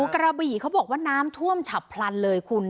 กระบี่เขาบอกว่าน้ำท่วมฉับพลันเลยคุณ